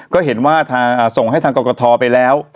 ก็เห็นว่าส่งให้ทางกรกฐไปแล้ว